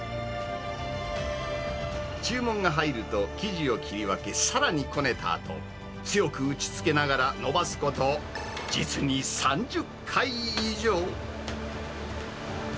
注文が入ると、生地を切り分け、さらにこねたあと、強く打ちつけながら延ばすこと実に３０回以上。